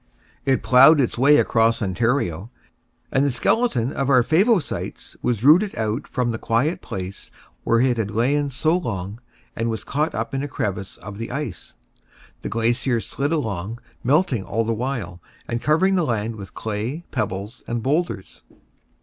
It ploughed its way across Ontario, and the skeleton of our Favosites was rooted out from the quiet place where it had lain so long, and was caught up in a crevice of the ice. The glacier slid along, melting all the while, and covering the land with clay, pebbles, and boulders.